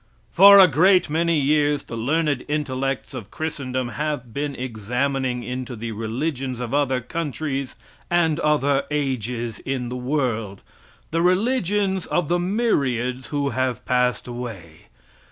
For a great many years the learned intellects of Christendom have been examining into the religions of other countries and other ages, in the world the religions of the myriads who have passed away.